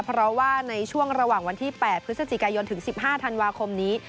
เพราะว่าในช่วงระหว่างวันที่๘พฤศจิกายนถึง๑๕ธันวาคมนี้